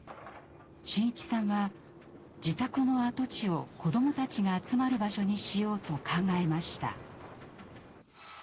伸一さんは自宅の跡地を子どもたちが集まる場所にしようと考えました。